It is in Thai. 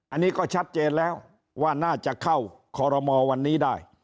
อันนี้ก็ชัดเจนแล้วว่าน่าจะเข้าคอรมอวันนี้ได้